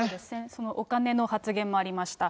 そのお金の発言もありました。